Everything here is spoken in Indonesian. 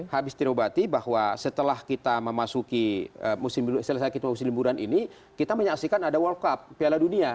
habis diobati bahwa setelah kita memasuki musim selesai kita musim liburan ini kita menyaksikan ada world cup piala dunia